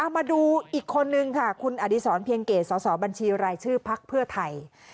มาดูอีกคนนึงค่ะคุณอดีศรเพียงเกตสสบัญชีรายชื่อพักเพื่อไทย